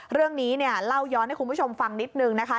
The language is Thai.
เรื่องนี้เนี่ยเล่าย้อนให้คุณผู้ชมฟังนิดนึงนะคะ